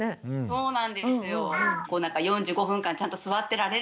そうなんですよ。